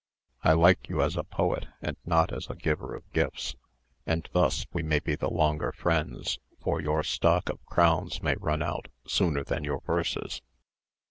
I like you as a poet and not as a giver of gifts; and thus we may be the longer friends, for your stock of crowns may run out sooner than your verses."